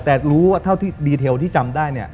แต่รู้ว่าเท่าที่ดีเทลที่จำได้เนี่ย